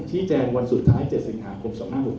ชี้แจงวันสุดท้าย๗๕คม๒๕๖๑